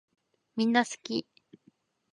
みんなすき